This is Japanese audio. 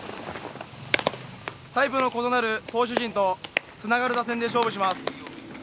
タイプの異なる攻守陣とつながる打線で勝負します。